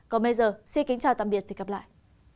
còn bây giờ xin kính chào tạm biệt và hẹn gặp lại